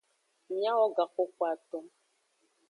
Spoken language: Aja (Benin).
Miawo gaxoxoaton.